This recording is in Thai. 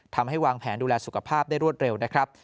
ทำให้วางแผนดูแลสุขภาพได้รวดเร็วนะครับ